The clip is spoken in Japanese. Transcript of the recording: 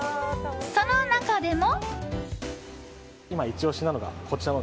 その中でも。